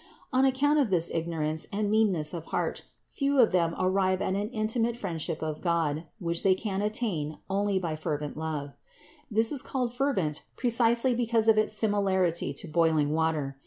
On account of this ignorance and meanness of heart few of them 504 CITY OF GOD arrive at an intimate friendship of God, which they can attain only by fervent love. This is called fervent pre cisely because of its similarity to boiling water.